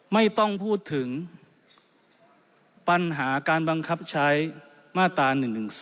ไม่ต้องพูดถึงปัญหาการบังคับใช้มาตรา๑๑๒